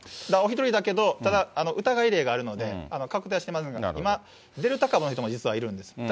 お１人だけど、ただ疑い例があるので、確定はしていませんが、今、デルタ株の人も実はいるんです。